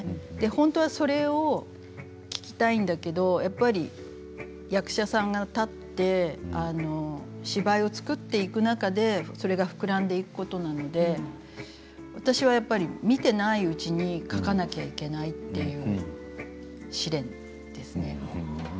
本当はそれを聞きたいんだけれどやっぱり役者さんが立って芝居を作っていく中でそれが膨らんでいくことなので私は、やっぱり見ていないうちに描かなくてはいけないという試練ですね。